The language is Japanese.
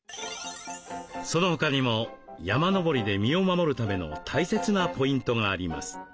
その他にも山登りで身を守るための大切なポイントがあります。